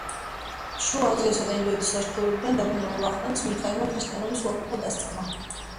შუა აზიასა და ინდოეთის ლაშქრობებიდან დაბრუნებულ ვახტანგს მიქაელმა ქრისტიანობის უარყოფა დასწამა.